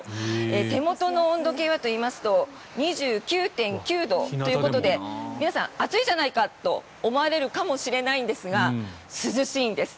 手元の温度計はといいますと２９．９度ということで皆さん、暑いじゃないかと思われるかもしれないんですが涼しいんです。